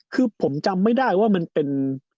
คือผมจำไม่ได้ว่ามันเป็น